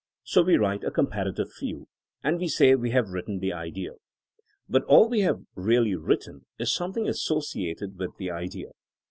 So we write a com parative few ; and we say we have written the idea. But all we have really written is some thing associated with the idea.